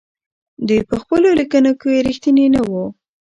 دوی په خپلو ليکنو کې رښتيني نه وو.